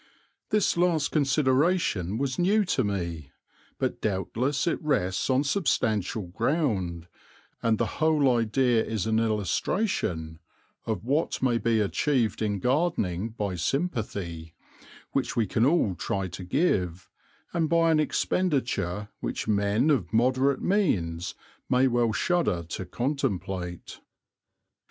This last consideration was new to me, but doubtless it rests on substantial ground, and the whole idea is an illustration of what may be achieved in gardening by sympathy, which we can all try to give and by an expenditure which men of moderate means may well shudder to contemplate.